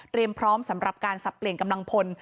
พร้อมสำหรับการสับเปลี่ยนกำลังพล